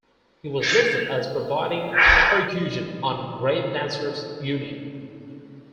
He was listed as providing "percussion" on "Grave Dancers Union".